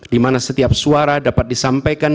dimana setiap suara dapat disampaikan